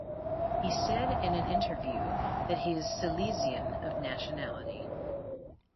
He said in an interview that he is Silesian of nationality.